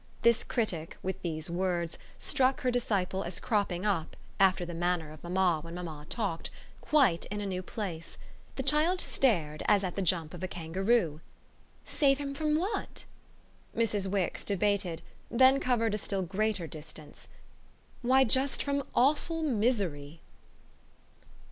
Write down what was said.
This critic, with these words, struck her disciple as cropping up, after the manner of mamma when mamma talked, quite in a new place. The child stared as at the jump of a kangaroo. "Save him from what?" Mrs. Wix debated, then covered a still greater distance. "Why just from awful misery."